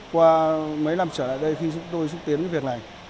qua mấy năm trở lại đây khi chúng tôi xúc tiến với việc này